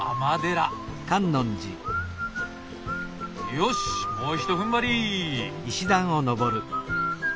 よしもうひと踏ん張り！